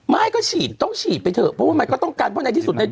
ไม่ก็ฉีดต้องฉีดไปเถอะเพราะว่ามันก็ต้องการเพราะในที่สุดใน